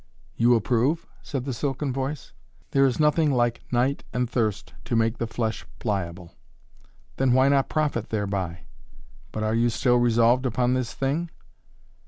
"You approve?" said the silken voice. "There is nothing like night and thirst to make the flesh pliable." "Then why not profit thereby? But are you still resolved upon this thing?"